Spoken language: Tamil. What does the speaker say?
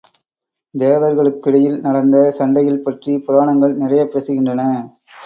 தேவர்களுக்கிடையில் நடந்த சண்டைகள் பற்றிப் புராணங்கள் நிறைய பேசுகின்றன.